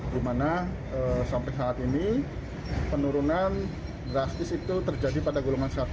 di mana sampai saat ini penurunan drastis itu terjadi pada golongan satu